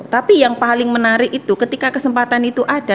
tapi yang paling menarik itu ketika kesempatan itu ada